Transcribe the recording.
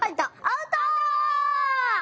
アウト！